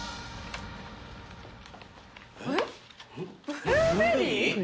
ブルーベリー。